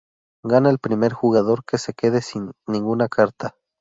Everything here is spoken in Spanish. Gana el primer jugador que se quede sin ninguna carta.